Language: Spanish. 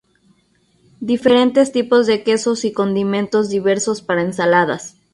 Diferentes tipos de quesos y condimentos diversos para ensaladas.